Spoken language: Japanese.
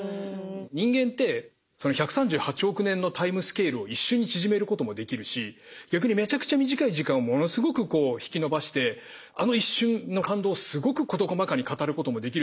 人間って１３８億年のタイムスケールを一瞬に縮めることもできるし逆にめちゃくちゃ短い時間をものすごく引きのばしてあの一瞬の感動をすごく事細かに語ることもできるじゃないですか。